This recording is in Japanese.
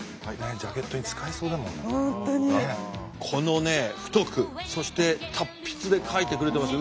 このね太くそして達筆で書いてくれてますよ